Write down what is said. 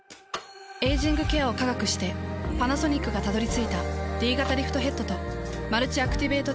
エイジングケアを科学してパナソニックがたどり着いたＤ型リフトヘッドとマルチアクティベートテクノロジー。